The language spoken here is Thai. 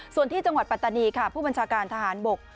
ส่วนที่จังหวัดปัตตานีค่ะผู้บัญชาการทหารบก